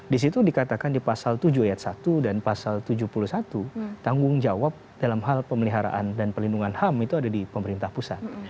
di situ dikatakan di pasal tujuh ayat satu dan pasal tujuh puluh satu tanggung jawab dalam hal pemeliharaan dan pelindungan ham itu ada di pemerintah pusat